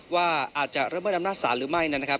ว่าอาจจะระเมิดอำนาจศาลหรือไม่นะครับ